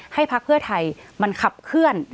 พักเพื่อไทยมันขับเคลื่อน